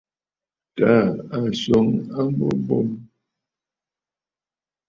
Tàà a swoŋ a mbo bo.